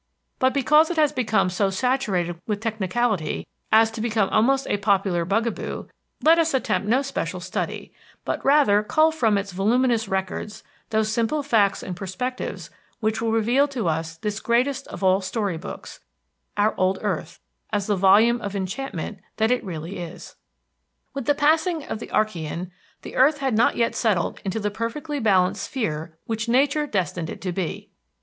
But because it has become so saturated with technicality as to become almost a popular bugaboo, let us attempt no special study, but rather cull from its voluminous records those simple facts and perspectives which will reveal to us this greatest of all story books, our old earth, as the volume of enchantment that it really is. With the passing of the Archean, the earth had not yet settled into the perfectly balanced sphere which Nature destined it to be.